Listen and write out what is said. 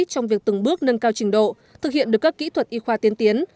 trong việc từng bước nâng cao trình độ thực hiện được các kỹ thuật y khoa tiến tiến